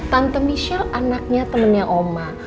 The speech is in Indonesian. tante michelle anaknya temannya oma